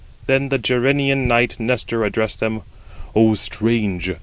Then the Gerenian 105 knight Nestor addressed them: "O strange!